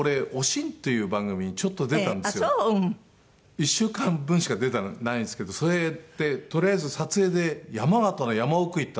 １週間分しか出てないんですけどそれでとりあえず撮影で山形の山奥へ行ったんですよ。